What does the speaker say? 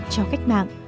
cho cách mạng